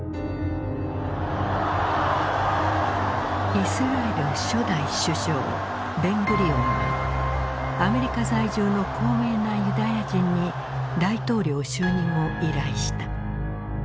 イスラエル初代首相ベングリオンはアメリカ在住の高名なユダヤ人に大統領就任を依頼した。